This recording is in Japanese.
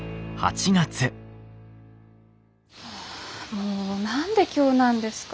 ああもう何で今日なんですか？